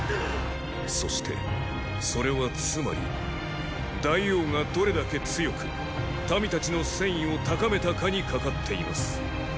そしてそれはつまり大王がどれだけ強く民たちの戦意を高めたかにかかっています。